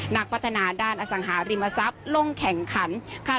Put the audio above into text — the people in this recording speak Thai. นักพัฒนาด้านอสังหาริมทรัพย์ลงแข่งขันค่ะ